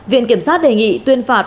viện kiểm sát đề nghị tuyên phạt